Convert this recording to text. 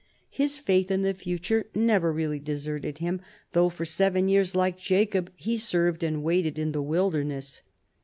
His faith in the future never really deserted him, though for seven years, like Jacob, he served and waited in the wilderness.